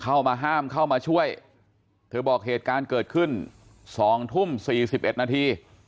เข้ามาห้ามเข้ามาช่วยเธอบอกเหตุการณ์เกิดขึ้นสองทุ่มสี่สิบเอ็ดนาที